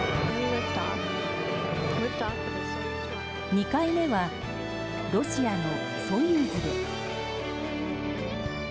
２回目はロシアの「ソユーズ」で。